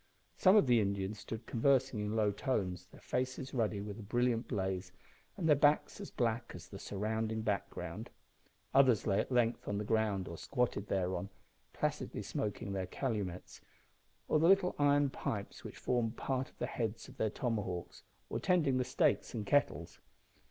Some of the Indians stood conversing in low tones, their faces ruddy with the brilliant blaze and their backs as black as the surrounding background. Others lay at length on the ground or squatted thereon, placidly smoking their calumets, or the little iron pipes which formed part of the heads of their tomahawks, or tending the steaks and kettles.